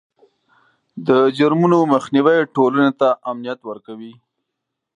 د جرمونو مخنیوی ټولنې ته امنیت ورکوي.